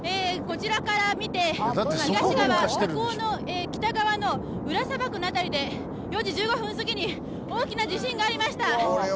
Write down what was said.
こちらから見て東側火口の北側の裏砂漠の辺りで４時１５分すぎに大きな地震がありました